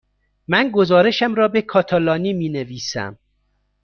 من گزارشم را به کاتالانی می نویسم.